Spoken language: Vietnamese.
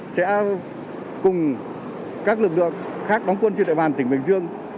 sẽ cùng các lực lượng khác đóng quân trên đại bàn tỉnh bình dương